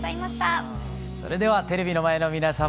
それではテレビの前の皆様